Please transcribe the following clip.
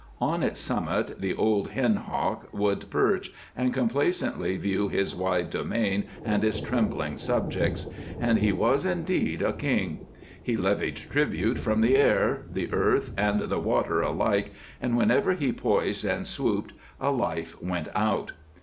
On its summit the old hen hawk would perch, and complacently view his wide domain and his trembling subjects. And he was indeed a king. He levied tribute from the air, the earth, and the water alike, and whenever he poised and swooped, a life went out.